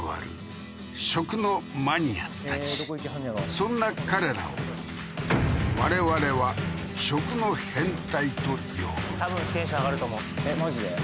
そんな彼らを我々は食の変態と呼ぶ多分テンション上がると思うえっマジで？